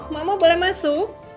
mama boleh masuk